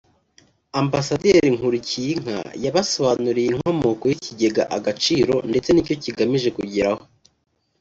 Ambasaderi Nkulikiyinka yabasobanuriye inkomoko y’ikigega Agaciro ndetse n’icyo kigamije kugeraho